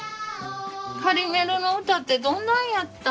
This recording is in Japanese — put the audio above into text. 「カリメロ」の歌ってどんなんやった？